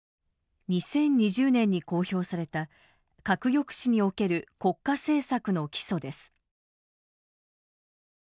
２０２０年に公表された「核抑止における国家政策の基礎」です。